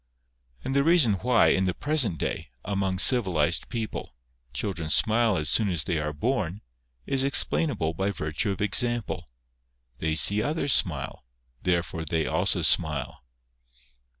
And the reason why, in the present day, among civilised people, children smile ' as soon as they are born, is explainable by virtue of example : they see others smile, therefore they also smile.